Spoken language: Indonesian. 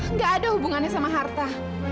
nggak ada hubungannya sama harta